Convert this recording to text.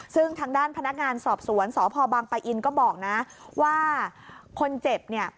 ซึ่งทางด้านพนักงานสอบสวนสพบางปะอินก็บอกนะว่าคนเจ็บเนี่ย